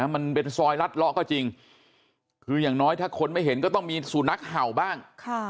มันเป็นซอยรัดเลาะก็จริงคืออย่างน้อยถ้าคนไม่เห็นก็ต้องมีสุนัขเห่าบ้าง